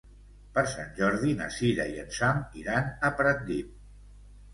Per Sant Jordi na Sira i en Sam iran a Pratdip.